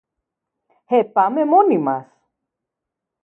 Ε, πάμε μόνοι μας!